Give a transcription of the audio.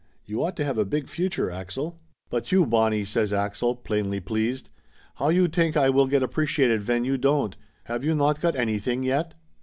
"You ought to have a big future, Axel." "But you, Bonnie!" says Axel, plainly pleased. "How you tank I will get appreciated ven you don't? Have you not got anything yet?"